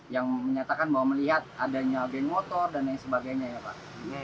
yang menyatakan bahwa melihat adanya geng motor dan lain sebagainya ya pak